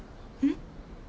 ん？